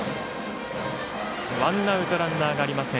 ワンアウトランナーがありません。